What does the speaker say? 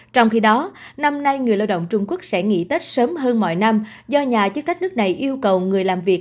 trong khi đó năm nay người lao động trung quốc sẽ nghỉ tết sớm hơn mọi năm do nhà chức trách nước này yêu cầu người làm việc